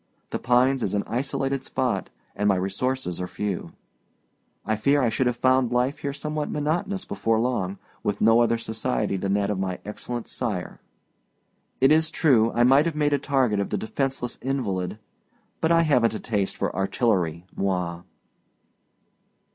The Pines is an isolated spot, and my resources are few. I fear I should have found life here somewhat monotonous before long, with no other society than that of my excellent sire. It is true, I might have made a target of the defenceless invalid; but I havenât a taste for artillery, moi.